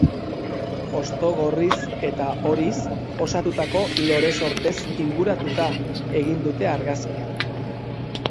Hosto gorriz eta horiz osatutako lore-sortez inguratuta egin dute argazkia.